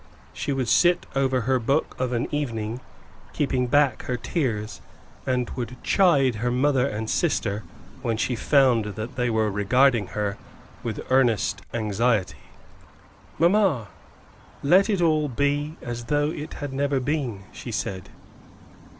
She would sit over her book of an evening, keeping back her tears; and would chide her mother and sister when she found that they were regarding her with earnest anxiety. "Mamma, let it all be as though it had never been," she said.